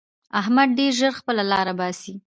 احمد ډېر ژر خپله لاره باسي.